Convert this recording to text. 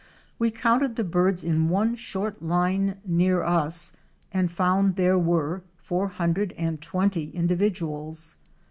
We counted the birds in one short line near us and found there were four hundred and twenty individuals.